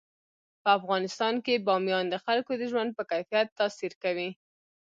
په افغانستان کې بامیان د خلکو د ژوند په کیفیت تاثیر کوي.